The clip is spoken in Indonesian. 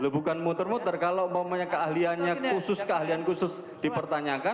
bukan mutar mutar kalau keahlian khusus dipertanyakan